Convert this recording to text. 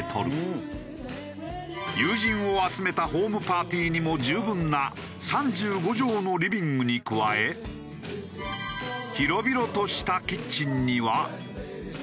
友人を集めたホームパーティーにも十分な３５畳のリビングに加え広々としたキッチンには。